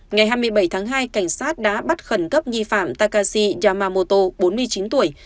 ngày hai mươi bảy tháng hai cảnh sát đã bắt khẩn cấp nghi phạm takashi yamamoto bốn mươi chín tuổi